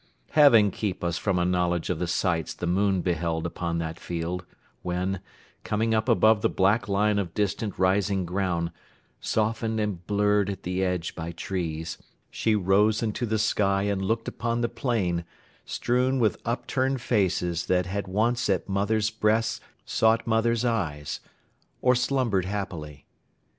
Heaven keep us from a knowledge of the sights the moon beheld upon that field, when, coming up above the black line of distant rising ground, softened and blurred at the edge by trees, she rose into the sky and looked upon the plain, strewn with upturned faces that had once at mothers' breasts sought mothers' eyes, or slumbered happily.